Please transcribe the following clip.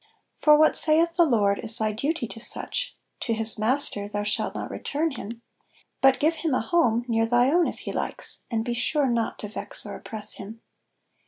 For what saith the Lord is thy duty to such, "To his master thou shalt not return him," But give him a home near thy own if he likes, And be sure not to vex or oppress him.